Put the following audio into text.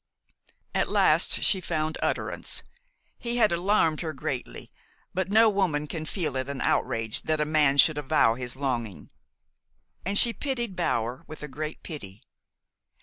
At last she found utterance. He had alarmed her greatly; but no woman can feel it an outrage that a man should avow his longing. And she pitied Bower with a great pity.